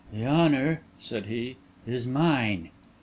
"The honour," said he, "is mine!"